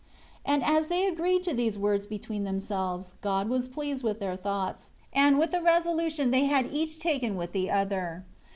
21 And as they agreed to these words between themselves, God was pleased with their thoughts, and with the resolution they had each taken with the other.